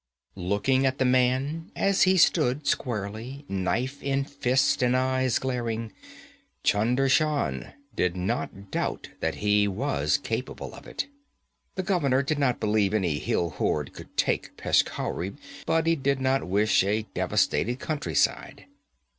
Looking at the man as he stood squarely, knife in fist and eyes glaring, Chunder Shan did not doubt that he was capable of it. The governor did not believe any hill horde could take Peshkhauri, but he did not wish a devastated countryside.